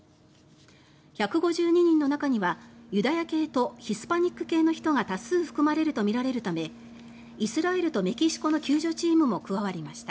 １５２人の中にはユダヤ系とヒスパニック系の人が多数含まれるとみられるためイスラエルとメキシコの救助チームも加わりました。